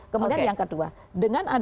kemudian yang kedua dengan